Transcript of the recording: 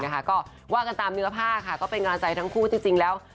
ก็ว่ากันตามเนื้อผ้าค่ะก็เป็นกำลังใจทั้งคู่จริงแล้ว